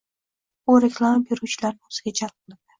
Bu reklama beruvchilarni o’ziga jalb qiladi